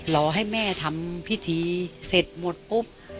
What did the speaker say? รอให้แม่ทำพิธีเสร็จหมดปุ๊บ